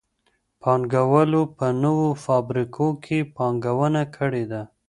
پانګوالو په نوو فابريکو کي پانګونه کړي ده.